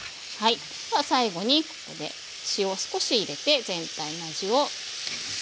では最後にここで塩を少し入れて全体の味を締めていきます。